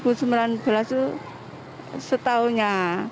dua ribu sembilan belas itu setahunya